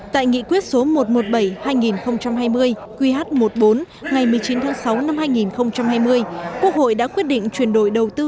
tại nghị quyết số một trăm một mươi bảy hai nghìn hai mươi qh một mươi bốn ngày một mươi chín tháng sáu năm hai nghìn hai mươi quốc hội đã quyết định chuyển đổi đầu tư